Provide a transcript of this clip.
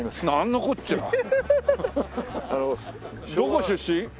なんのこっちゃ。